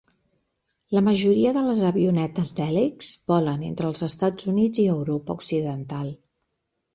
La majoria de les avionetes d'hèlix volen entre els Estats Units i Europa Occidental.